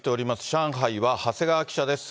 上海は長谷川記者です。